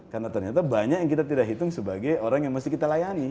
karena ternyata banyak yang kita tidak hitung sebagai orang yang mesti kita layani